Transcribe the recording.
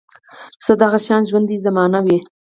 بس دغه شان ژوند دې زما نه وي